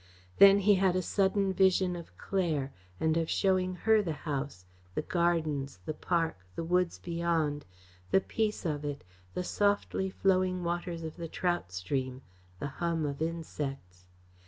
Then he had a sudden vision of Claire, and of showing her the house, the gardens, the park, the woods beyond, the peace of it, the softly flowing waters of the trout stream, the hum of insects.